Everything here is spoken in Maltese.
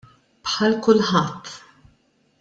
Bħal kulħadd!